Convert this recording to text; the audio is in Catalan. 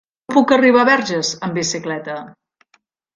Com puc arribar a Verges amb bicicleta?